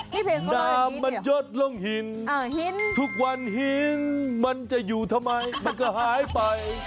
น้ำมันยดลงหินทุกวันหินมันจะอยู่ทำไมมันก็หายไป